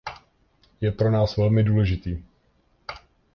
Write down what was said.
Je pro nás velmi důležitý.